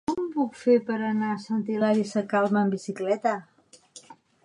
Com ho puc fer per anar a Sant Hilari Sacalm amb bicicleta?